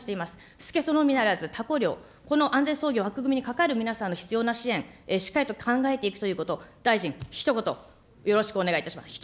スケソウのみならずタコ漁、この安全操業枠組みに関わる皆さんの必要な支援、しっかりと考えていくということ、大臣、ひと言よろしくお願いいたします。